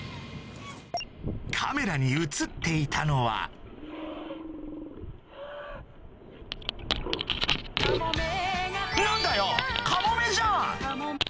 カメラに映っていたのは何だよカモメじゃん！